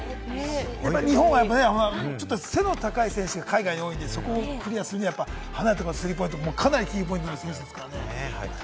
日本はね、ちょっと背の高い選手が海外に多いのでそこをクリアするには、離れたところからのスリーポイント、かなりキーポイントになる選手です。